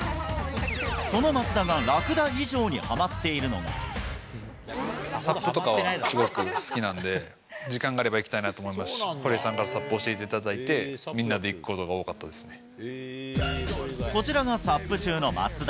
その松田がラクダ以上にはまサップとかはすごく好きなんで、時間があれば行きたいなと思いますし、堀江さんにサップを教えていただいて、みんなで行くことが多かっこちらがサップ中の松田。